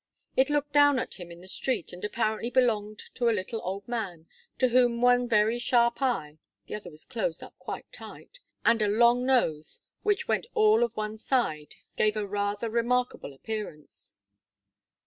It looked down at him in the street, and apparently belonged to a little old man, to whom one very sharp eye the other was closed up quite tight and a long nose, which went all of one side, gave a rather remarkable appearance.